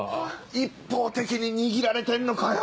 一方的に握られてんのかよ。